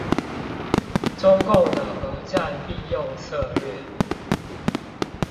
中共的和戰並用策略